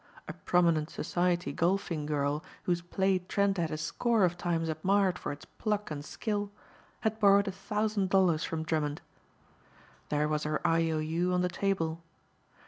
A prominent society golfing girl whose play Trent had a score of times admired for its pluck and skill had borrowed a thousand dollars from Drummond. There was her I. O. U. on the table.